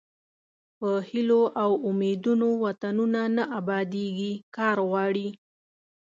په هیلو او امیدونو وطنونه نه ابادیږي کار غواړي.